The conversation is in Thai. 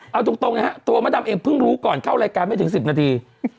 เอาตรงนะฮะตัวมะดำเองเพิ่งรู้ก่อนเข้ารายการไม่ถึง๑๐นาที